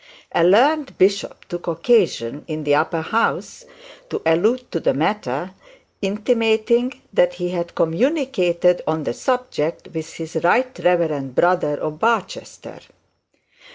A learned bishop took occasion, in the Upper House, to allude to the matter, intimating that he had communicated on the subject with his right reverend brother of Barchester.